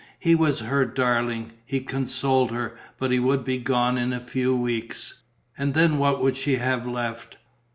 He was her darling, he consoled her; but he would be gone in a few weeks. And then what would she have left?